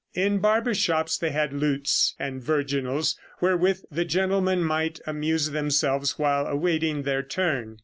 In barber shops they had lutes and virginals wherewith the gentlemen might amuse themselves while awaiting their turn.